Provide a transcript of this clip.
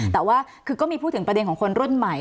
แต่ว่าคือก็มีพูดถึงประเด็นของคนรุ่นใหม่